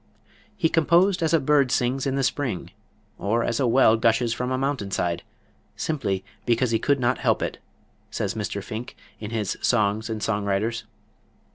"He composed as a bird sings in the spring, or as a well gushes from a mountain side, simply because he could not help it," says Mr. Finck, in his "Songs and Song Writers."